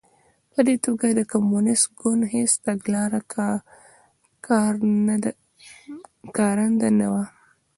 په دې توګه د کمونېست ګوند هېڅ تګلاره کارنده نه وه